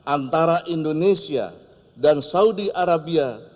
antara indonesia dan saudi arabia